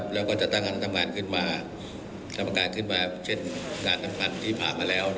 แล้วก็จะตั้งคณะทำงานขึ้นมาเช่นงานทำงานที่ผ่านมาแล้ว